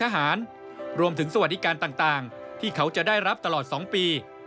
รวมถึงสวัสดิการต่างที่เขาจะได้รับตลอด๒ปี